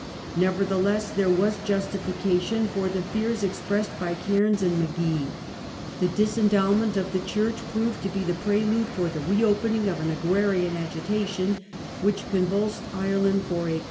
Nevertheless, there was justification for the fears expressed by Cairns and Magee. The disendowment of the Church proved \ to be the prelude for the reopening of an agrarian agitation which | convulsed Ireland for a quarter of a century.